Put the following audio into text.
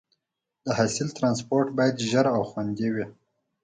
د حاصل ټرانسپورټ باید ژر او خوندي وي.